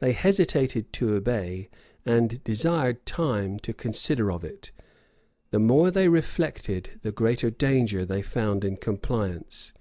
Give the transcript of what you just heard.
They hesitated to obey, and desired time to consider of it. The more they reflected the greater danger they found in compliance.